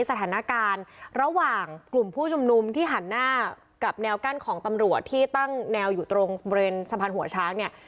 สถานการณ์ระหว่างกลุ่มผู้ชุมนุมที่หันหน้ากับแนวกั้นของตำรวจที่ตั้งแนวอยู่ตรงบริเวณสะพานหัวช้างเนี่ย